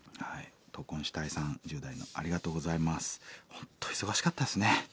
本当忙しかったですね。